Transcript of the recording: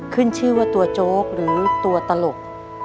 ขึ้นชื่อว่าตัวโจ๊กหรือตัวตลก